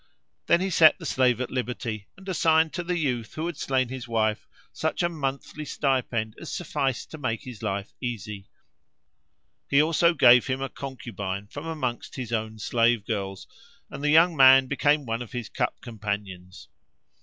Then he set the slave at liberty and assigned to the youth who had slain his wife such a monthly stipend as sufficed to make his life easy; he also gave him a concubine from amongst his own slave girls and the young man became one of his cup companions.